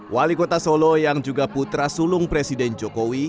wali kota solo yang juga putra sulung presiden jokowi